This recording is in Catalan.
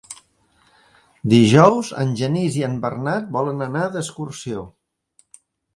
Dijous en Genís i en Bernat volen anar d'excursió.